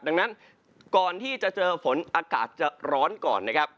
ดังนั้นก่อนที่จะเจอฝนอากาศจะร้อนก่อนนะครับ